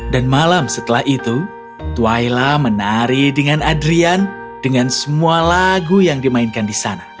dan malam setelah itu tuhaila menari dengan adrian dengan semua lagu yang dimainkan di sana